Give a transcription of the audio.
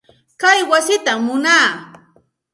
Kay wasitam munaa.